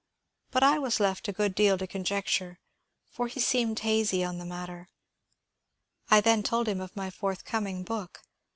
But I was left a good deal to conjecture, for he seemed hazy on the matter. I then told him of my forthcoming book.